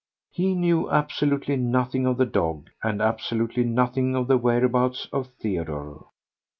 He knew absolutely nothing of the dog and absolutely nothing of the whereabouts of Theodore.